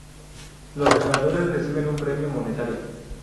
Los ganadores reciben un premio monetario.